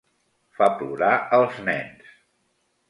Fa plorar els nens.